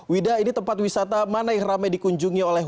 wida ini tempat wisata mana yang ramai dikunjungi oleh